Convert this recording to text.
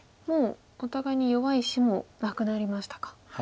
もうお互いに弱い石もなくなりましたか。